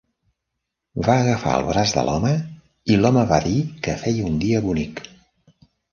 Va agafar el braç de l'home i l'home va dir que feia un dia bonic.